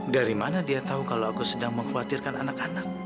dari mana dia tahu kalau aku sedang mengkhawatirkan anak anak